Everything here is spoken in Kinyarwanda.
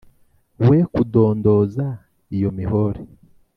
Wekudondoza iyo mihore!"